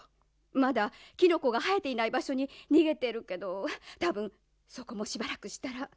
まだキノコがはえていないばしょににげてるけどたぶんそこもしばらくしたら。